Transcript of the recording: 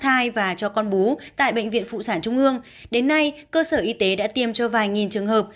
thai và cho con bú tại bệnh viện phụ sản trung ương đến nay cơ sở y tế đã tiêm cho vài nghìn trường hợp